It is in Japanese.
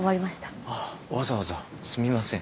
ああわざわざすみません。